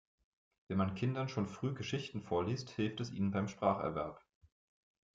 Wenn man Kindern schon früh Geschichten vorliest, hilft es ihnen beim Spracherwerb.